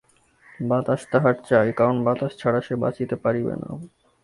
বাতাস তাহার চাই-ই, কারণ বাতাস ছাড়া সে বাঁচিতে পারিবে না।